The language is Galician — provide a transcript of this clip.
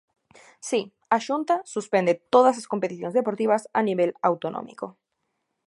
Si, a Xunta suspende todas as competicións deportivas a nivel autonómico.